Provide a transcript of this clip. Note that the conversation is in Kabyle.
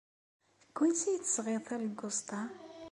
Seg wansi ay d-tesɣiḍ talegguẓt-a?